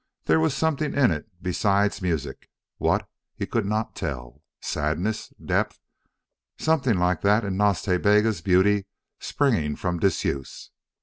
There was something in it besides music what, he could not tell sadness, depth, something like that in Nas Ta Bega's beauty springing from disuse.